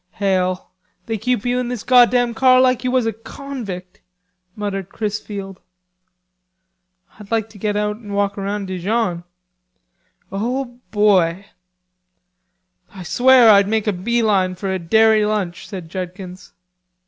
"Hell! They keep you in this goddam car like you was a convict," muttered Chrisfield. "I'd like to get out and walk around Dijon." "O boy!" "I swear I'd make a bee line for a dairy lunch," said Judkins.